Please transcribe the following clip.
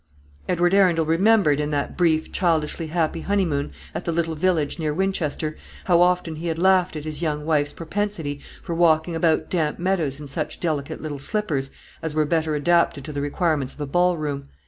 Edward Arundel remembered, in that brief, childishly happy honeymoon at the little village near Winchester, how often he had laughed at his young wife's propensity for walking about damp meadows in such delicate little slippers as were better adapted to the requirements of a ballroom.